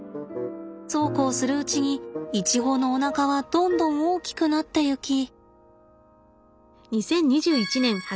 そうこうするうちにイチゴのおなかはどんどん大きくなっていき。